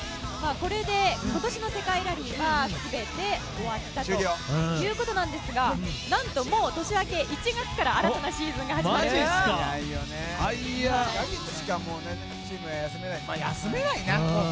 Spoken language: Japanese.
これで今年の世界ラリーは全て終わったということなんですがなんともう年明け１月から新たなシーズンが始まると。